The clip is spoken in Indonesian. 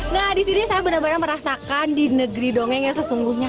nah di sini saya benar benar merasakan di negeri dongeng yang sesungguhnya